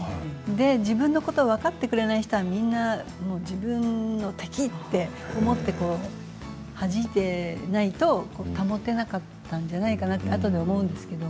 自分のことを分かってくれない人はみんな自分の敵と思ってはじいていないと保てなかったんじゃないかなってあとで思うんですけど。